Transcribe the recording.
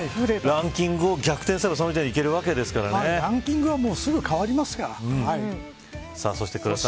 ランキングを逆転すればその時点でランキングはそして倉田さん。